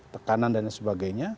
tekanan dan sebagainya